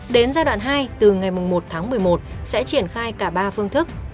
đến giai đoạn hai từ ngày một tháng một mươi một sẽ triển khai cả ba phương thức